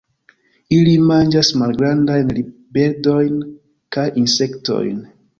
Ili manĝas malgrandajn birdojn kaj insektojn.